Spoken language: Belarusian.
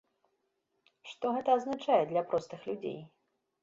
Што гэта азначае для простых людзей?